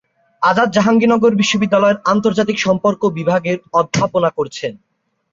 আজাদ জাহাঙ্গীরনগর বিশ্ববিদ্যালয়ের আন্তর্জাতিক সম্পর্ক বিভাগের অধ্যাপনা করেছেন।